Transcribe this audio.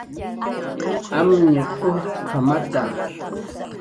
"Amñ ujtq""amata"